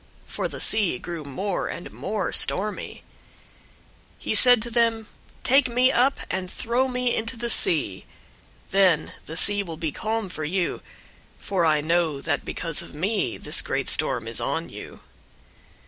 For the sea grew more and more stormy. 001:012 He said to them, "Take me up, and throw me into the sea. Then the sea will be calm for you; for I know that because of me this great storm is on you."